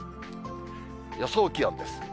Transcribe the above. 予想気温です。